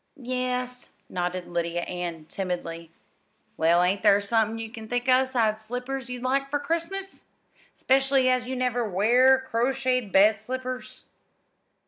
"Yes," nodded Lydia Ann timidly. "Well, ain't there somethin' you can think of sides slippers you'd like for Christmas 'specially as you never wear crocheted bed slippers?"